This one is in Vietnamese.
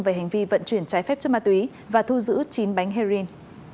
về hành vi vận chuyển trái phép chất ma túy và thu giữ chín bánh heroin